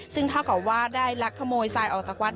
ซึ่งท่าก่อว่าได้ลักษีขโมยใส่ออกจากวัด